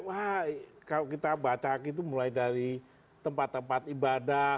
wah kalau kita baca gitu mulai dari tempat tempat ibadah